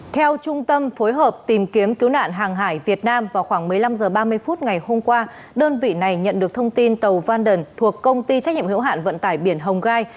theo trung tâm phối hợp tìm kiếm cứu nạn hàng hải việt nam vào khoảng một mươi năm h ba mươi phút ngày hôm qua đơn vị này nhận được thông tin tàu vanden thuộc công ty trách nhiệm hữu hạn vận tải biển hồng gai